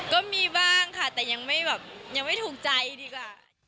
ก็มีบ้างค่ะแต่ยังไม่ถูกใจดีกว่า